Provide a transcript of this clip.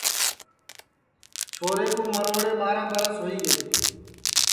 پربھوڑے کُو مروڑے ٻاراں ٻرس ہوئی گے